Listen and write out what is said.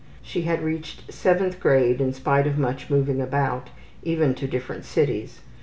She had reached 7th grade in spite of much moving about, even to different cities.